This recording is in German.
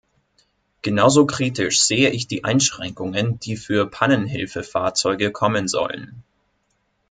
Genauso kritisch sehe ich die Einschränkungen, die für Pannenhilfefahrzeuge kommen sollen.